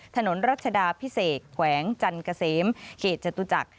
ถนนรัชดาพิเศษแขวงจันเกษมเขตจตุจักร